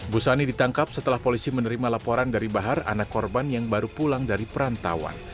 busani ditangkap setelah polisi menerima laporan dari bahar anak korban yang baru pulang dari perantauan